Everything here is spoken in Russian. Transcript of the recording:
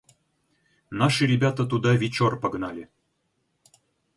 Наши ребята туда вечор погнали.